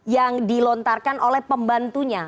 yang dilontarkan oleh pembantunya